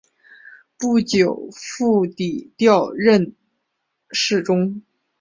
不久傅祗调任侍中。